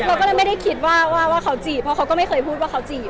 เราก็เลยไม่ได้คิดว่าเขาจีบเพราะเขาก็ไม่เคยพูดว่าเขาจีบ